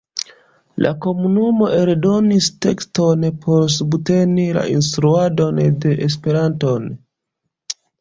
La komunumo eldonis tekston por subteni la instruadon de Esperanton.